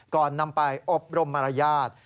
ก่อนนำไปอบรมมารยาท